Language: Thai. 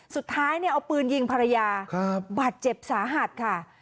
สุดท้ายเนี่ยเอาปืนยิงภรรยาบาดเจ็บสาหัสค่ะ